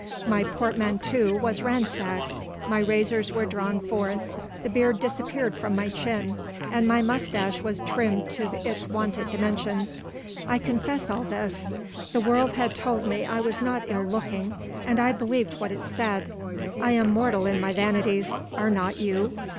My portmanteau was ransacked, my razors were drawn forth, the beard disappeared from my chin, and my moustache was trimmed to its wonted dimensions. I confess all this. The world had told me I was not ill looking, and I believed what it said. I am mortal in my vanities. Are not you?